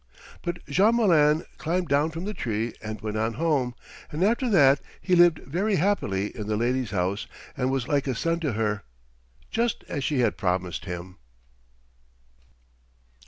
But Jean Malin climbed down from the tree and went on home, and after that he lived very happily in the lady's house and was like a son to her, just as she had promised him.